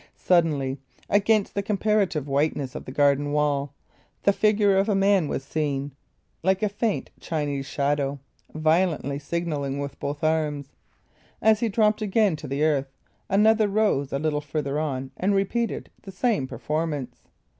Suddenly, against the comparative whiteness of the garden wall, the figure of a man was seen, like a faint Chinese shadow, violently signalling with both arms. As he dropped again to the earth, another arose a little farther on and repeated the same performance.